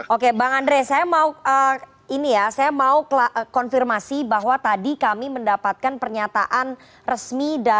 oke bang andrei saya mau konfirmasi bahwa tadi kami mendapatkan pernyataan resmi dan keseluruhan